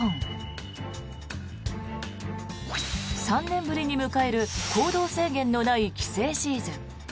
３年ぶりに迎える行動制限のない帰省シーズン。